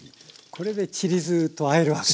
これでちり酢とあえるわけですね。